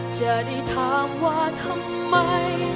จะได้ถามว่าทำไม